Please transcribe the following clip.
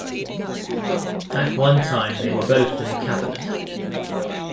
At one time they were both in the cabinet.